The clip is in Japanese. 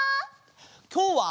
きょうは！